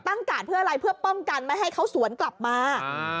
กาดเพื่ออะไรเพื่อป้องกันไม่ให้เขาสวนกลับมา